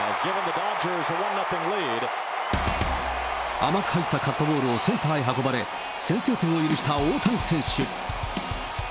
甘く入ったカットボールをセンターへ運ばれ、先制点を許した大谷選手。